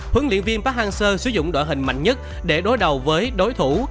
huấn luyện viên park hang seo sử dụng đội hình mạnh nhất để đối đầu với đối thủ